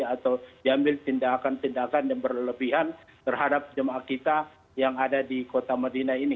atau diambil tindakan tindakan yang berlebihan terhadap jemaah kita yang ada di kota medina ini